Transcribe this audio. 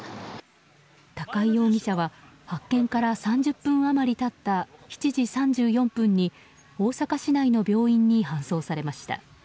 高井容疑者は発見から３０分余り経った７時３４分に大阪市内の病院に搬送されました。